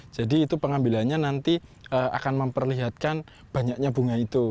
jadi itu pengambilannya nanti akan memperlihatkan banyaknya bunga itu